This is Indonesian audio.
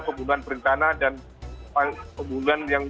pembunuhan berencana dan pembunuhan yang